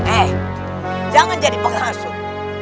eh jangan jadi pengasuh